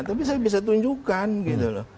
tapi saya bisa tunjukkan gitu loh